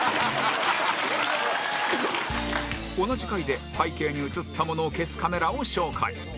同じ回で背景に写ったものを消すカメラを紹介